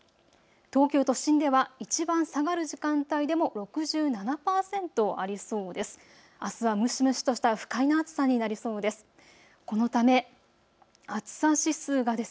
東京都心ではいちばん下がる時間帯でも６７％ありそうです。